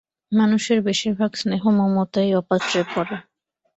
মানুষের বেশির ভাগ স্নেহ-মমতাই অপাত্রে পড়ে।